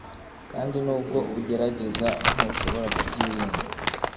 kandi nubwo ugerageza, ntushobora kubyirinda